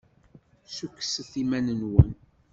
Ssukkset iman-nwen.